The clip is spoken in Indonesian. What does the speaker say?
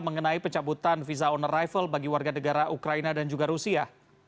mengenai pencabutan visa on arrival bagi warga negara ukraina dan juga rusia